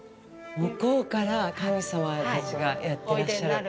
向こうから神様たちがやってらっしゃる。